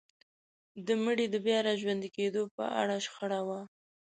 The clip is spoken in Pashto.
د مړي د بيا راژوندي کيدو په اړه شخړه وه.